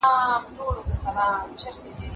هغه څوک چي پاکوالي ساتي منظم وي!!